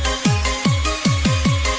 bukit jidih bangkalan